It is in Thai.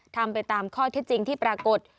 ทำไปตามข้อเท็จจริงที่ปรากฏ